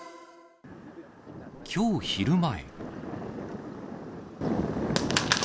きょう昼前。